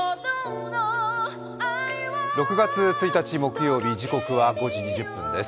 ６月１日木曜日、時刻は５時２０分です。